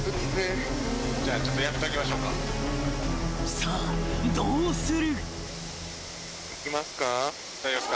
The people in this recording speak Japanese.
［さあどうする？］